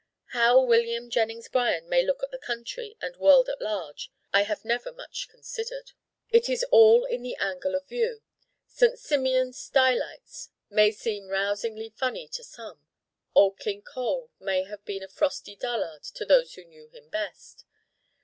How William Jennings Bryan may look to the country and world at large I have never much considered. It is all in the angle of view: St. Simeon Stilites may seem rousingly funny to some: Old King Cole may have been a frosty dullard to those who knew him best.